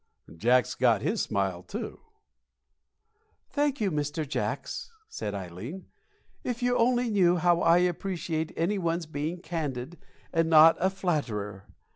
Jacks got his smile, too. "Thank you, Mr. Jacks," said Ileen. "If you only knew how I appreciate any one's being candid and not a flatterer!